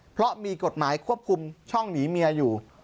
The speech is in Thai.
เพราะมีกฎหมายควบคุมช่องหนีเมียอยู่